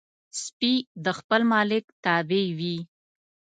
سپي د خپل مالک تابع وي.